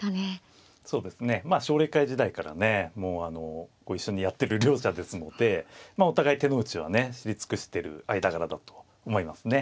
そうですねまあ奨励会時代からねもうあの一緒にやってる両者ですのでお互い手の内はね知り尽くしてる間柄だと思いますね。